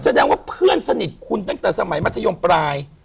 แสดงว่าเพื่อนสนิทคุณตั้งแต่สมัยมัธยมปลาย